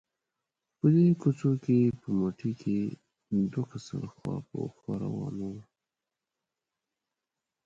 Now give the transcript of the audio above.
په دې کوڅو کې په مټې که دوه کسان خوا په خوا روان شي.